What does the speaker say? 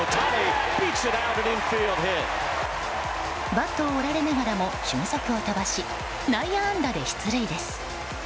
バットを折られながらも俊足を飛ばし内野安打で出塁です。